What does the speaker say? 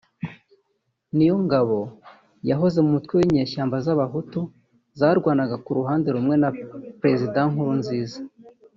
Niyongabo yahoze mu mutwe w’inyeshyamba z’Abahutu zarwanaga ku ruhande rumwe na Perezida Nkurunziza